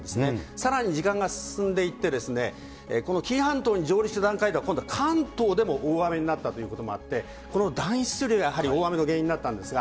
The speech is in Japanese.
さらに時間が進んでいって、この紀伊半島に上陸する間、今度は関東でも大雨になったということもあって、この暖湿流がやはり大雨の原因になったんですが。